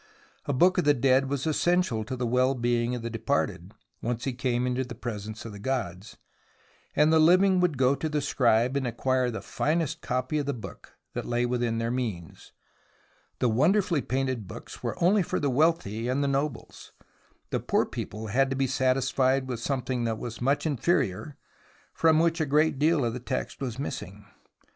A Book of the Dead was essential to the well being of the departed, once he came into the presence of the gods, and the living would go to the scribe and acquire the finest copy of the Book that lay within their means. The wonderfully painted Books were 52 THE ROMANCE OF EXCAVATION only for the wealthy and the nobles. The poor people had to be satisfied with something that was much inferior, from which a great deal of the text was missing.